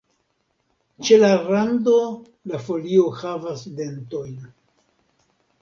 Ĉe la rando la folio havas dentojn.